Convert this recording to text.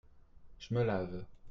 Je me lave.